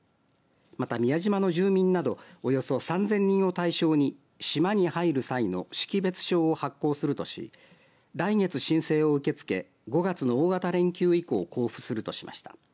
また宮島の住民などおよそ３０００人を対象に島に入る際の識別証を発行するとし来月申請を受け付け５月の大型連休以降交付するとしました。